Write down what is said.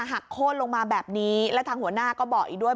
หักโค้นลงมาแบบนี้แล้วทางหัวหน้าก็บอกอีกด้วย